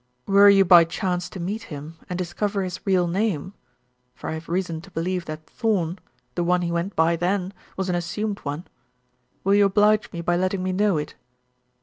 "Were you by chance to meet him, and discover his real name for I have reason to believe that Thorn, the one he went by then, was an assumed one will you oblige me by letting me know it?"